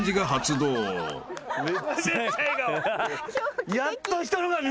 めっちゃ笑顔。